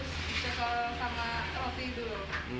terus dicoklat sama roti itu loh